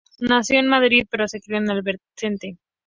Nació en Madrid pero se crió en Albacete.